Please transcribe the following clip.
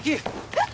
えっ！